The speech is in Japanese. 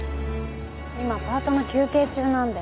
今パートの休憩中なんで。